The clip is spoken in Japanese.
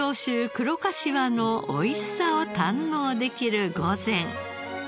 黒かしわの美味しさを堪能できる御膳。